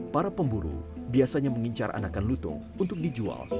para pemburu biasanya mengincar anakan lutung untuk dijual